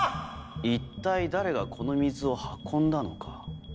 一体誰がこの水を運んだのか。